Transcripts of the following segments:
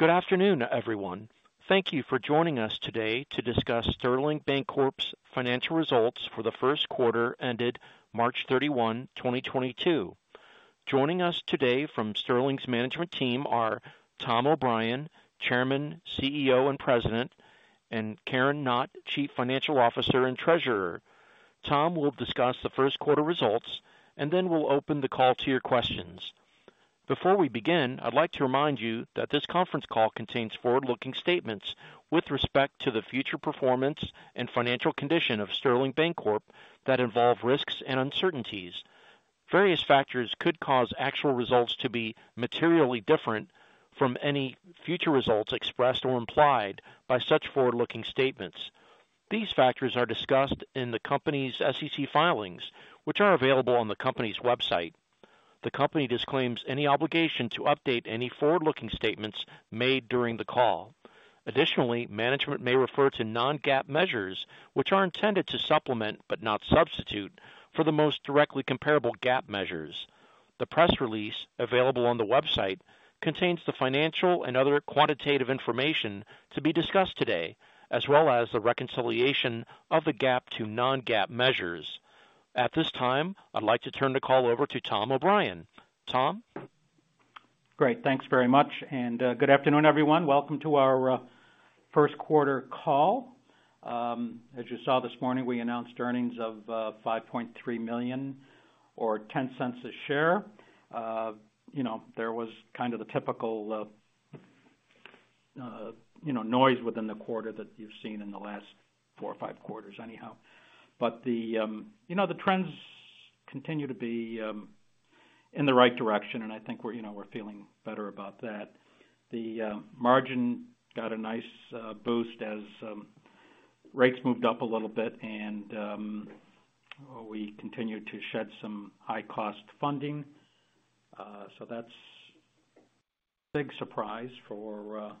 Good afternoon, everyone. Thank you for joining us today to discuss Sterling Bancorp's financial results for the Q1 ended March 31, 2022. Joining us today from Sterling's management team are Tom O'Brien, Chairman, CEO, and President, and Karen Knott, Chief Financial Officer and Treasurer. Tom will discuss the Q1 results, and then we'll open the call to your questions. Before we begin, I'd like to remind you that this Conference Call contains forward-looking statements with respect to the future performance and financial condition of Sterling Bancorp that involve risks and uncertainties. Various factors could cause actual results to be materially different from any future results expressed or implied by such forward-looking statements. These factors are discussed in the company's SEC filings, which are available on the company's website. The company disclaims any obligation to update any forward-looking statements made during the call. Additionally, management may refer to non-GAAP measures, which are intended to supplement, but not substitute, for the most directly comparable GAAP measures. The press release available on the website contains the financial and other quantitative information to be discussed today, as well as the reconciliation of the GAAP to non-GAAP measures. At this time, I'd like to turn the call over to Tom O'Brien. Tom? Great. Thanks very much, and good afternoon, everyone. Welcome to our Q1 call. As you saw this morning, we announced earnings of $5.3 million or $0.10 a share. You know, there was kind of the typical you know, noise within the quarter that you've seen in the last four or five quarters anyhow. The you know, the trends continue to be in the right direction, and I think we're you know, we're feeling better about that. The margin got a nice boost as rates moved up a little bit, and we continued to shed some high-cost funding. That's big surprise for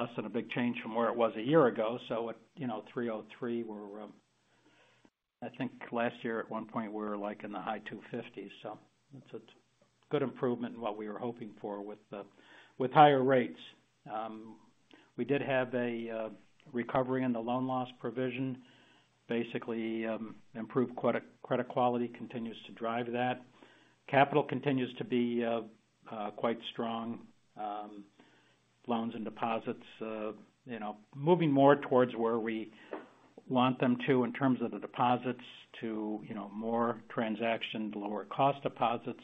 us and a big change from where it was a year ago. At you know 3.03%, we're I think last year at one point we were like in the high 2.50%. It's a good improvement in what we were hoping for with higher rates. We did have a recovery in the loan loss provision. Basically improved credit quality continues to drive that. Capital continues to be quite strong. Loans and deposits you know moving more towards where we want them to in terms of the deposits to you know more transaction lower cost deposits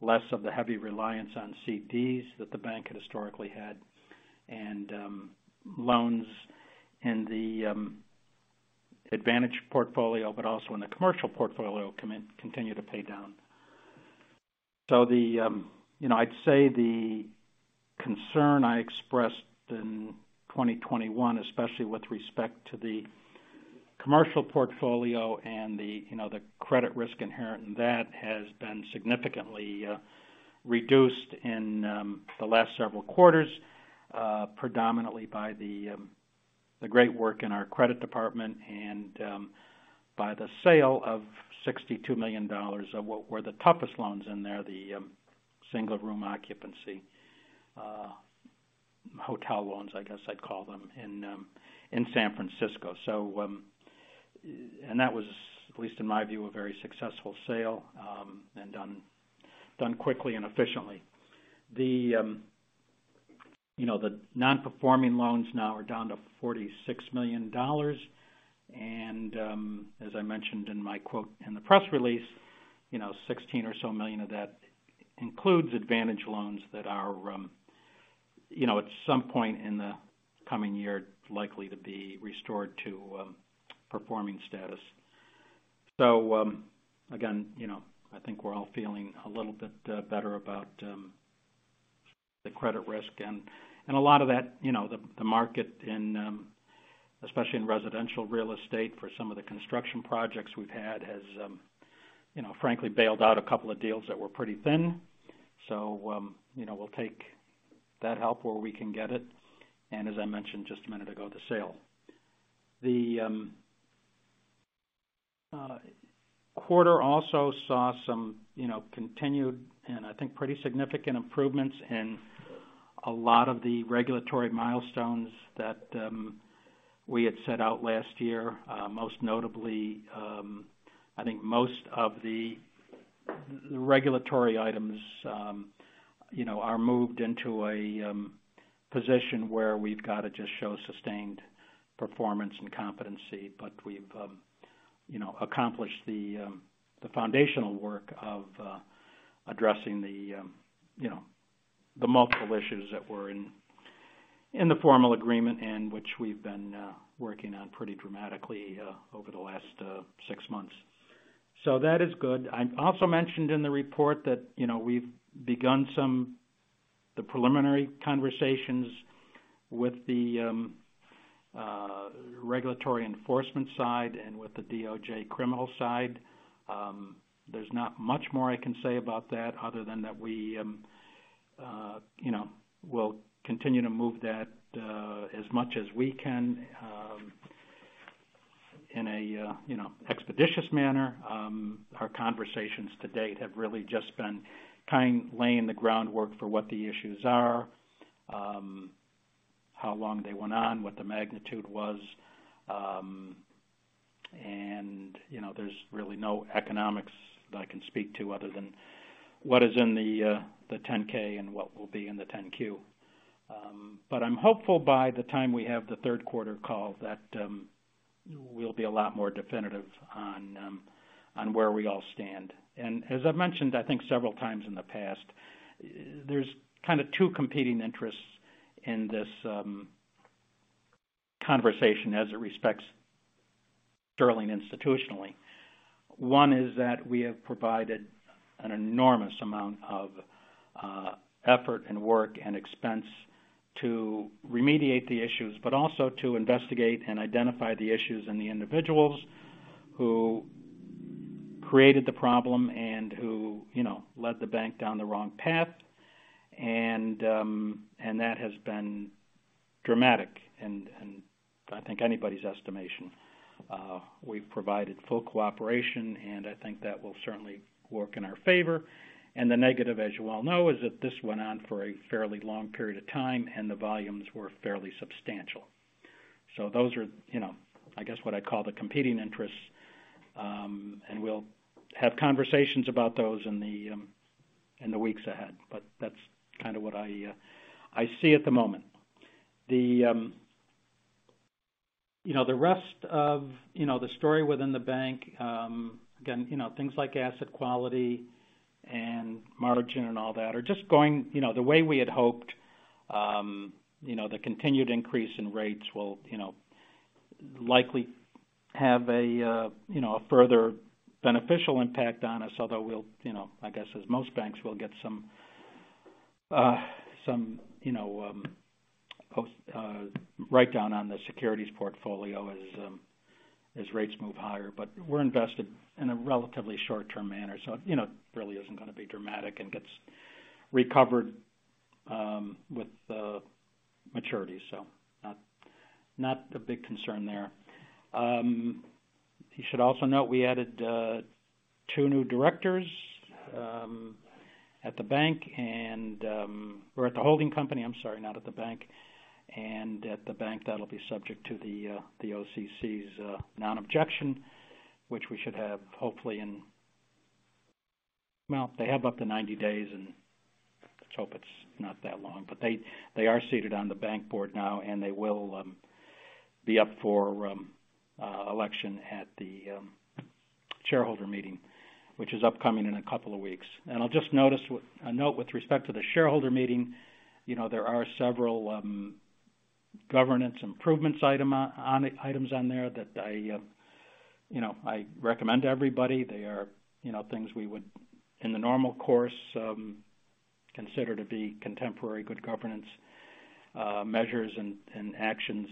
less of the heavy reliance on CDs that the bank had historically had. Loans in the Advantage portfolio but also in the commercial portfolio continue to pay down. The concern I expressed in 2021, especially with respect to the commercial portfolio and the, you know, the credit risk inherent in that, has been significantly reduced in the last several quarters, predominantly by the great work in our credit department and by the sale of $62 million of what were the toughest loans in there, the single-room occupancy hotel loans, I guess I'd call them, in San Francisco. That was, at least in my view, a very successful sale, and done quickly and efficiently. You know, the non-performing loans now are down to $46 million. As I mentioned in my quote in the press release, you know, $16 or so million of that includes Advantage loans that are, you know, at some point in the coming year, likely to be restored to performing status. Again, you know, I think we're all feeling a little bit better about the credit risk and a lot of that, you know, the market in, especially in residential real estate for some of the construction projects we've had has, you know, frankly bailed out a couple of deals that were pretty thin. You know, we'll take that help where we can get it. As I mentioned just a minute ago, the sale. The quarter also saw some, you know, continued and I think pretty significant improvements in a lot of the regulatory milestones that we had set out last year. Most notably, I think most of the regulatory items, you know, are moved into a position where we've got to just show sustained performance and competency. We've, you know, accomplished the foundational work of addressing, you know, the multiple issues that were in the Formal Agreement and which we've been working on pretty dramatically over the last six months. That is good. I also mentioned in the report that, you know, we've begun the preliminary conversations with the regulatory enforcement side and with the DOJ criminal side. There's not much more I can say about that other than that we, you know, we'll continue to move that as much as we can in a you know expeditious manner. Our conversations to date have really just been kind of laying the groundwork for what the issues are, how long they went on, what the magnitude was. You know, there's really no economics that I can speak to other than what is in the 10-K and what will be in the 10-Q. I'm hopeful by the time we have the Q3 call that we'll be a lot more definitive on where we all stand. As I've mentioned, I think several times in the past, there's kind of two competing interests in this conversation as it respects Sterling institutionally. One is that we have provided an enormous amount of effort and work and expense to remediate the issues, but also to investigate and identify the issues and the individuals who created the problem and who, you know, led the bank down the wrong path. That has been dramatic in, I think, anybody's estimation. We've provided full cooperation, and I think that will certainly work in our favor. The negative, as you well know, is that this went on for a fairly long period of time, and the volumes were fairly substantial. Those are, you know, I guess, what I call the competing interests. We'll have conversations about those in the weeks ahead. That's kind of what I see at the moment. You know, the rest of the story within the bank, again, you know, things like asset quality and margin and all that are just going, you know, the way we had hoped. You know, the continued increase in rates will, you know, likely have a, you know, a further beneficial impact on us. Although we'll, you know, I guess, as most banks will get some, you know, write down on the securities portfolio as rates move higher. We're invested in a relatively short-term manner, so, you know, really isn't gonna be dramatic and gets recovered with maturity. Not a big concern there. You should also note we added two new directors at the holding company, I'm sorry, not at the bank. At the bank, that'll be subject to the OCC's non-objection, which we should have hopefully. Well, they have up to 90 days, and let's hope it's not that long. They are seated on the bank board now, and they will be up for election at the shareholder meeting, which is upcoming in a couple of weeks. I'll just note with a note with respect to the shareholder meeting, you know, there are several governance improvements items on there that I, you know, I recommend to everybody. They are, you know, things we would, in the normal course, consider to be contemporary good governance measures and actions.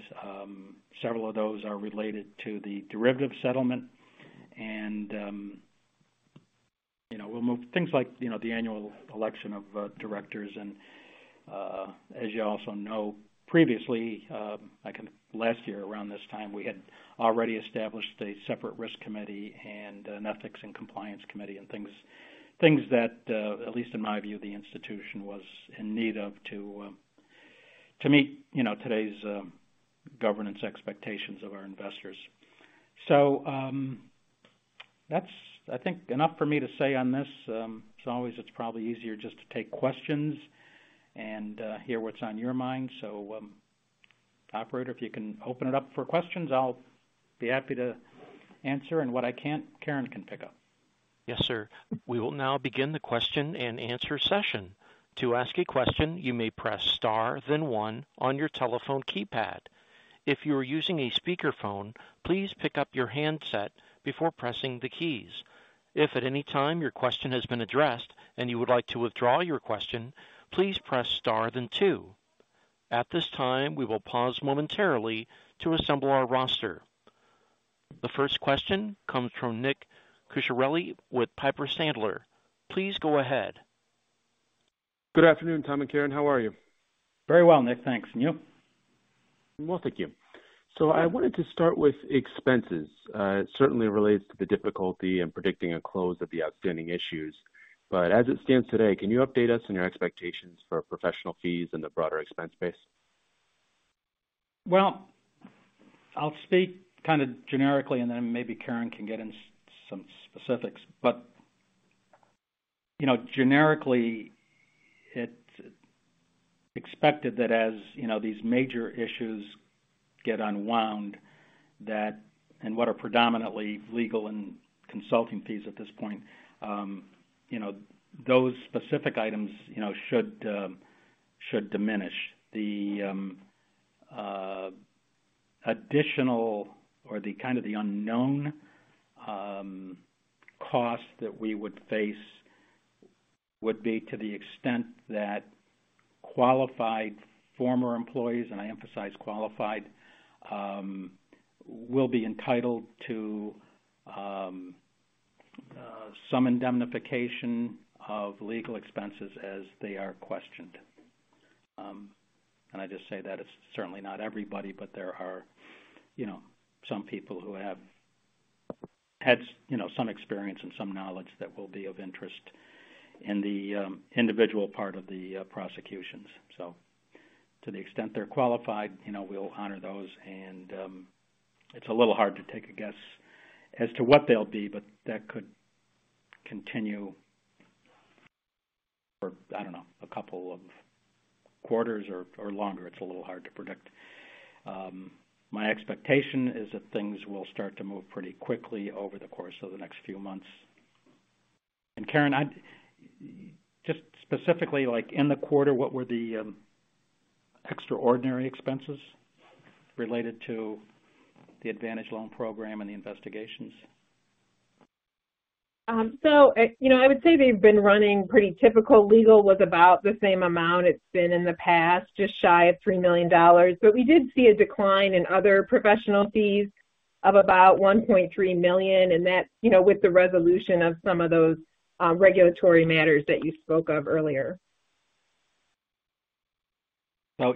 Several of those are related to the derivative settlement. you know, we'll move things like, you know, the annual election of directors. as you also know, previously, last year around this time, we had already established a separate risk committee and an ethics and compliance committee and things that, at least in my view, the institution was in need of to meet, you know, today's governance expectations of our investors. that's, I think, enough for me to say on this. as always, it's probably easier just to take questions and hear what's on your mind. operator, if you can open it up for questions, I'll be happy to answer. what I can't, Karen can pick up. Yes, sir. We will now begin the question and answer session. To ask a question, you may press Star, then one on your telephone keypad. If you are using a speakerphone, please pick up your handset before pressing the keys. If at any time your question has been addressed and you would like to withdraw your question, please press Star then two. At this time, we will pause momentarily to assemble our roster. The first question comes from Nick Cucharale with Piper Sandler. Please go ahead. Good afternoon, Tom and Karen. How are you? Very well, Nick. Thanks. You? Well, thank you. I wanted to start with expenses. It certainly relates to the difficulty in predicting a close of the outstanding issues. As it stands today, can you update us on your expectations for professional fees and the broader expense base? Well, I'll speak kind of generically, and then maybe Karen can get in some specifics. You know, generically, it's expected that as, you know, these major issues get unwound that what are predominantly legal and consulting fees at this point, you know, those specific items, you know, should diminish. The additional or the kind of the unknown costs that we would face would be to the extent that qualified former employees, and I emphasize qualified, will be entitled to some indemnification of legal expenses as they are questioned. I just say that it's certainly not everybody, but there are, you know, some people who have had some you know, some experience and some knowledge that will be of interest in the individual part of the prosecutions. To the extent they're qualified, you know, we'll honor those. It's a little hard to take a guess as to what they'll be, but that could continue for, I don't know, a couple of quarters or longer. It's a little hard to predict. My expectation is that things will start to move pretty quickly over the course of the next few months. Karen, just specifically, like in the quarter, what were the extraordinary expenses related to the Advantage Loan Program and the investigations? I would say they've been running pretty typical. Legal was about the same amount it's been in the past, just shy of $3 million. We did see a decline in other professional fees of about $1.3 million, and that's, you know, with the resolution of some of those regulatory matters that you spoke of earlier.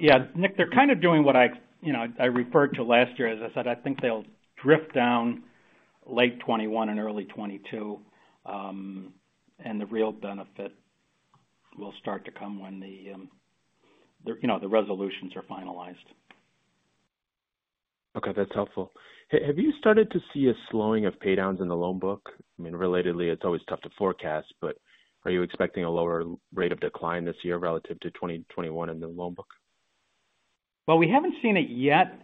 Yeah. Nick, they're kind of doing what I, you know, I referred to last year. As I said, I think they'll drift down late 2021 and early 2022. The real benefit will start to come when the, you know, the resolutions are finalized. Okay, that's helpful. Have you started to see a slowing of paydowns in the loan book? I mean, relatedly, it's always tough to forecast, but are you expecting a lower rate of decline this year relative to 2021 in the loan book? Well, we haven't seen it yet.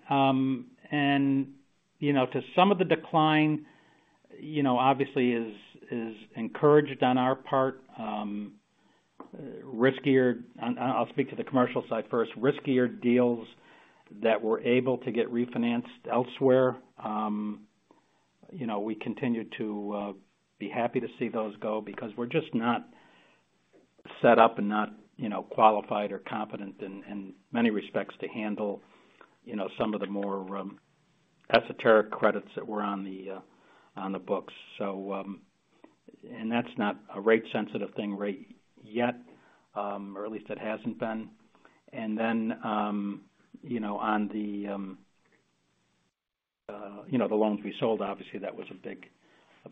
You know, to some of the decline, you know, obviously is encouraged on our part. I'll speak to the commercial side first. Riskier deals that were able to get refinanced elsewhere, you know, we continue to be happy to see those go because we're just not set up and not, you know, qualified or competent in many respects, to handle, you know, some of the more esoteric credits that were on the books. So, that's not a rate-sensitive thing rate yet, or at least it hasn't been. Then, you know, on the loans we sold, obviously that was a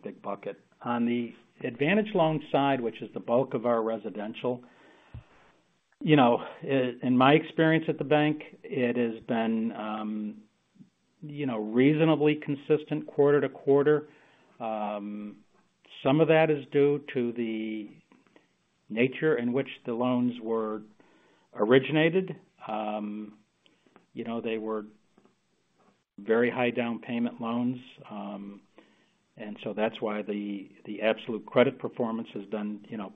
big bucket. On the Advantage Loan side, which is the bulk of our residential. You know, in my experience at the bank, it has been, you know, reasonably consistent quarter-to-quarter. Some of that is due to the nature in which the loans were originated. You know, they were very high-down payment loans. That's why the absolute credit performance has done, you know,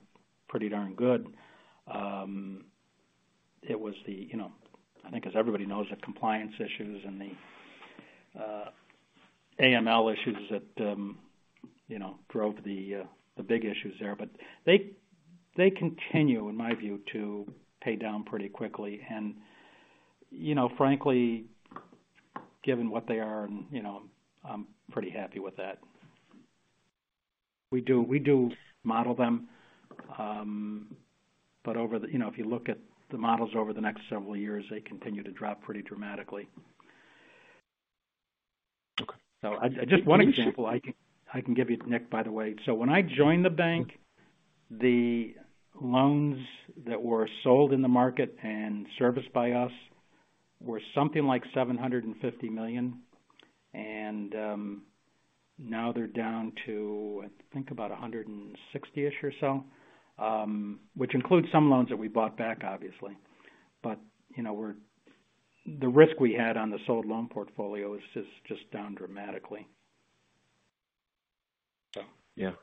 pretty darn good. It was, you know, I think as everybody knows, the compliance issues and the AML issues that, you know, drove the big issues there. They continue, in my view, to pay down pretty quickly. You know, frankly, given what they are and, you know, I'm pretty happy with that. We do model them. You know, if you look at the models over the next several years, they continue to drop pretty dramatically. Okay. Just one example I can give you, Nick, by the way. When I joined the bank, the loans that were sold in the market and serviced by us were something like $750 million, and now they're down to, I think, about $160-ish or so, which includes some loans that we bought back, obviously. You know, the risk we had on the sold loan portfolio is just down dramatically. Yeah.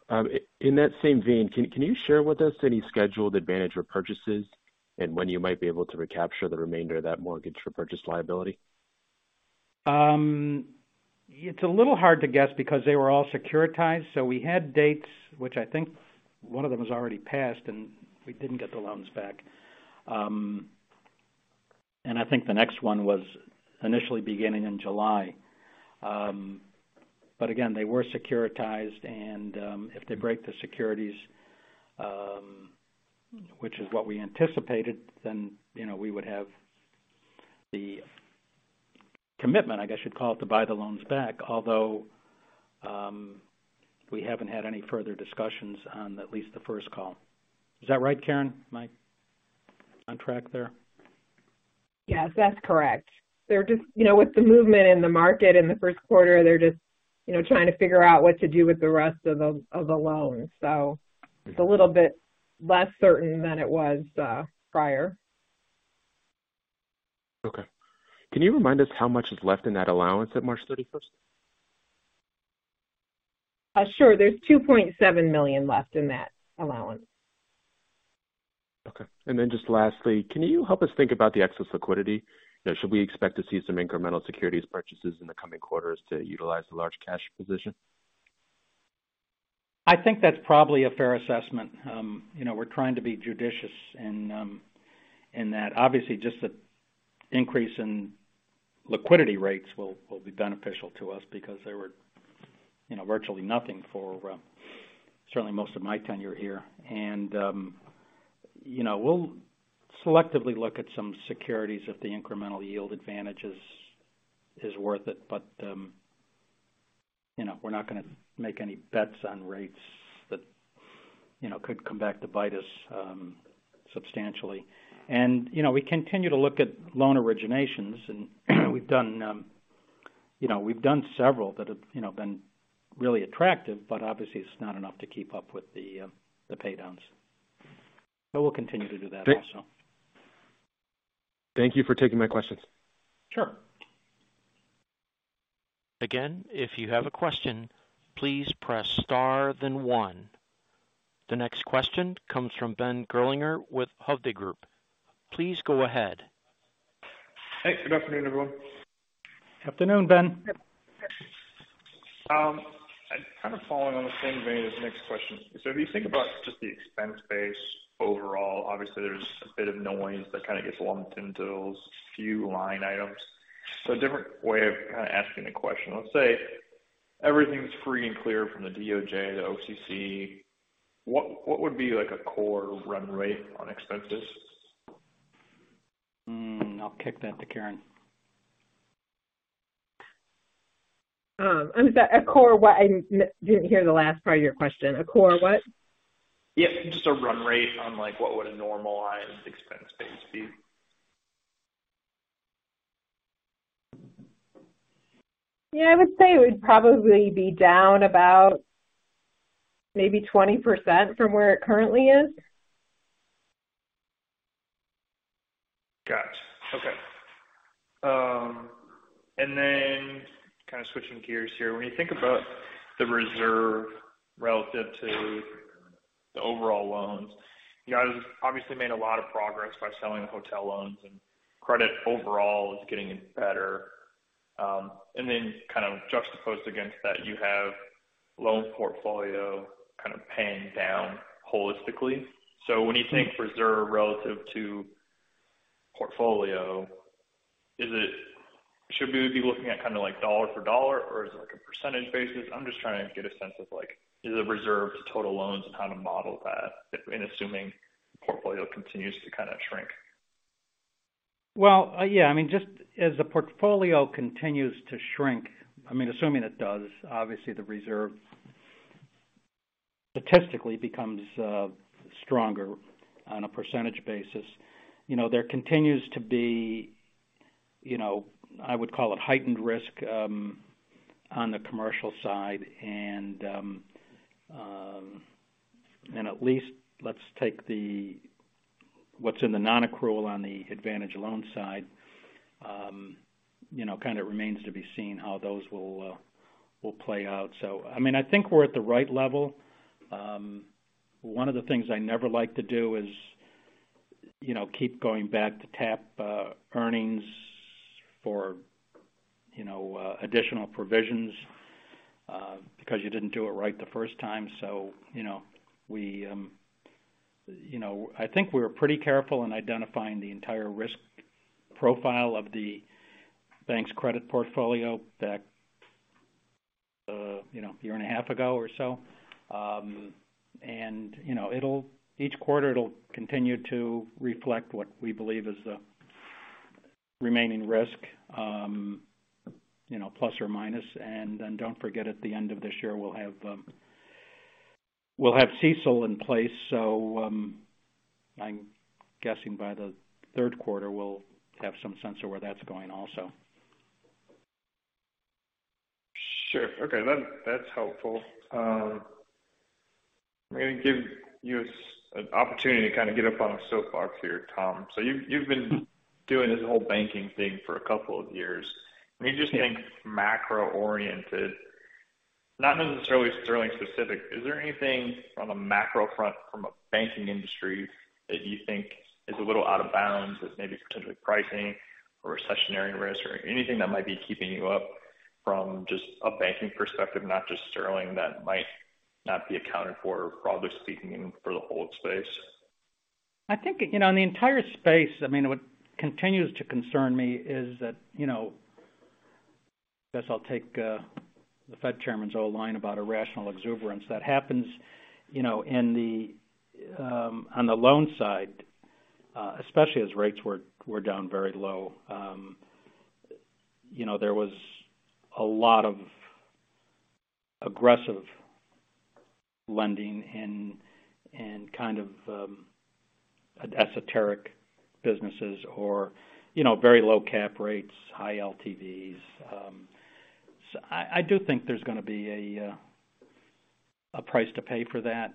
In that same vein, can you share with us any scheduled Advantage repurchases and when you might be able to recapture the remainder of that mortgage repurchase liability? It's a little hard to guess because they were all securitized. We had dates, which I think one of them is already passed, and we didn't get the loans back. I think the next one was initially beginning in July. Again, they were securitized and, if they break the securities, which is what we anticipated, then, you know, we would have the commitment, I guess you'd call it, to buy the loans back. Although, we haven't had any further discussions on at least the first call. Is that right, Karen? Am I on track there? Yes, that's correct. They're just, you know, with the movement in the market in the Q1, they're just, you know, trying to figure out what to do with the rest of the loans. It's a little bit less certain than it was prior. Okay. Can you remind us how much is left in that allowance at March thirty-first? Sure. There's $2.7 million left in that allowance. Okay. Just lastly, can you help us think about the excess liquidity? You know, should we expect to see some incremental securities purchases in the coming quarters to utilize the large cash position? I think that's probably a fair assessment. You know, we're trying to be judicious in that. Obviously, just the increase in liquidity rates will be beneficial to us because they were, you know, virtually nothing for certainly most of my tenure here. You know, we'll selectively look at some securities if the incremental yield advantage is worth it. You know, we're not gonna make any bets on rates that, you know, could come back to bite us substantially. You know, we continue to look at loan originations, and we've done several that have, you know, been really attractive, but obviously it's not enough to keep up with the paydowns. We'll continue to do that also. Thank you for taking my questions. Sure. Again, if you have a question, please press star then one. The next question comes from Ben Gerlinger with Hovde Group. Please go ahead. Hey, good afternoon, everyone. Afternoon, Ben. Kind of following on the same vein as Nick's question. If you think about just the expense base overall, obviously there's a bit of noise that kind of gets lumped into those few line items. A different way of kind of asking the question. Let's say everything's free and clear from the DOJ, the OCC, what would be like a core run rate on expenses? I'll kick that to Karen. Is that a core what? I didn't hear the last part of your question. A core what? Yeah. Just a run rate on, like, what would a normalized expense base be? Yeah. I would say it would probably be down about maybe 20% from where it currently is. Gotcha. Okay. Kind of switching gears here. When you think about the reserve relative to the overall loans, you guys obviously made a lot of progress by selling the hotel loans and credit overall is getting better. Kind of juxtaposed against that, you have loan portfolio kind of paying down holistically. When you think reserve relative to portfolio, should we be looking at kind of like dollar for dollar, or is it like a percentage basis? I'm just trying to get a sense of like the reserve to total loans and how to model that in assuming the portfolio continues to kind of shrink. Well, yeah. I mean, just as the portfolio continues to shrink, I mean, assuming it does, obviously the reserve statistically becomes stronger on a percentage basis. You know, there continues to be, you know, I would call it heightened risk on the commercial side and at least let's take what's in the non-accrual on the Advantage Loan side, you know, kind of remains to be seen how those will play out. I mean, I think we're at the right level. One of the things I never like to do is, you know, keep going back to tap earnings for, you know, additional provisions because you didn't do it right the first time. You know, we, you know. I think we're pretty careful in identifying the entire risk profile of the bank's credit portfolio back, you know, year and a half ago or so. You know, each quarter it'll continue to reflect what we believe is the remaining risk, you know, plus or minus. Then don't forget, at the end of this year, we'll have CECL in place. I'm guessing by the Q3 we'll have some sense of where that's going also. Sure. Okay. That, that's helpful. I'm gonna give you an opportunity to kind of get up on a soapbox here, Tom. You've been doing this whole banking thing for a couple of years. When you just think macro-oriented, not necessarily Sterling specific, is there anything from a macro front from a banking industry that you think is a little out of bounds, is maybe potentially pricing or recessionary risk or anything that might be keeping you up from just a banking perspective, not just Sterling, that might not be accounted for, broadly speaking, for the whole space? I think, you know, in the entire space, I mean, what continues to concern me is that, you know. Guess I'll take the Fed chairman's old line about irrational exuberance. That happens, you know, in the on the loan side, especially as rates were down very low. You know, there was a lot of aggressive lending and kind of esoteric businesses or, you know, very low cap rates, high LTVs. So I do think there's gonna be a price to pay for that.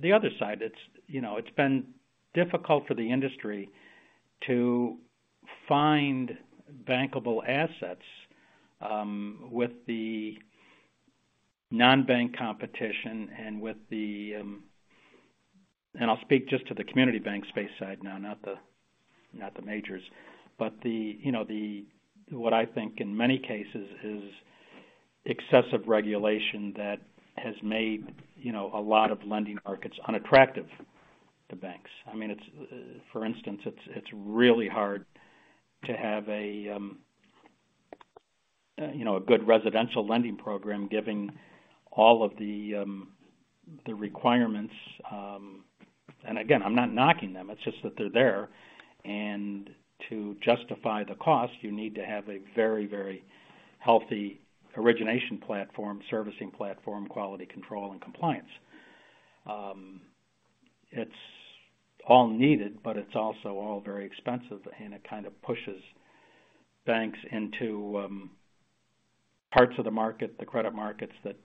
The other side, it's, you know, it's been difficult for the industry to find bankable assets with the non-bank competition and with the. I'll speak just to the community bank space side now, not the majors. What I think in many cases is excessive regulation that has made, you know, a lot of lending markets unattractive to banks. I mean, for instance, it's really hard to have, you know, a good residential lending program, giving all of the requirements. Again, I'm not knocking them, it's just that they're there. To justify the cost, you need to have a very, very healthy origination platform, servicing platform, quality control, and compliance. It's all needed, but it's also all very expensive, and it kind of pushes banks into parts of the market, the credit markets that,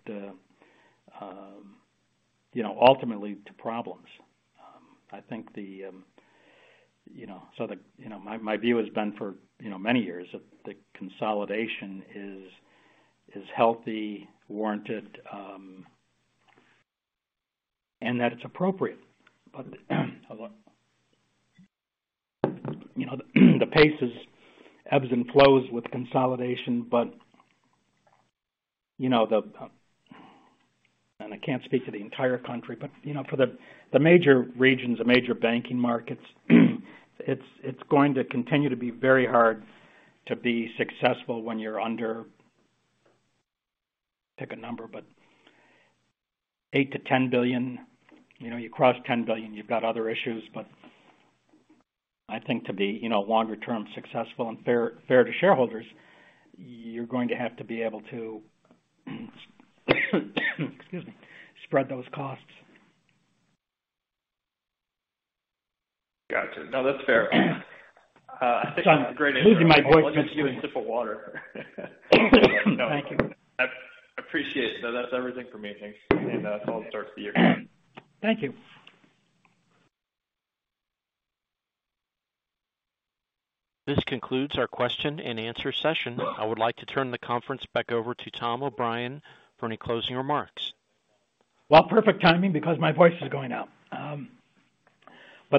you know, ultimately to problems. I think the, you know... You know, my view has been for you know many years that the consolidation is healthy, warranted, and that it's appropriate. You know, the pace ebbs and flows with consolidation. You know, I can't speak to the entire country, but you know for the major regions, the major banking markets, it's going to continue to be very hard to be successful when you're under, pick a number, but $8 billion-$10 billion. You know, you cross $10 billion, you've got other issues. I think to be you know longer term successful and fair to shareholders, you're going to have to be able to, excuse me, spread those costs. Gotcha. No, that's fair. I think- I'm losing my voice midstream. Let's get you a sip of water. Thank you. I appreciate it. So that's everything for me. Thanks. I look forward to start the year. Thank you. This concludes our question and answer session. I would like to turn the conference back over to Tom O'Brien for any closing remarks. Well, perfect timing, because my voice is going out.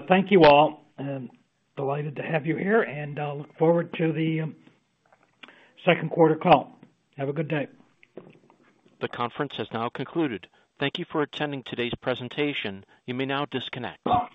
Thank you all, and delighted to have you here. I'll look forward to the second quarter call. Have a good day. The conference has now concluded. Thank you for attending today's presentation. You may now disconnect.